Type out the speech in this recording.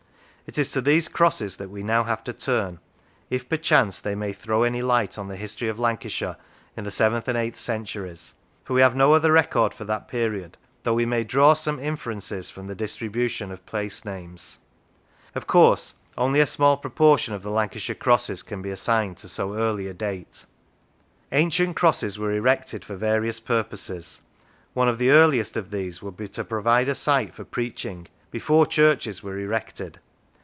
It is to these crosses that we now have to turn, if perchance they may throw any light on the history of Lancashire in the seventh and eighth centuries, for we have no other record for that period, though we may draw some inferences from the distribution of place names. Of course, only a small proportion of the Lancashire crosses can be assigned to so early a date. Ancient crosses were erected for various purposes. One of the earliest of these would be to provide a site for preaching, before churches were erected.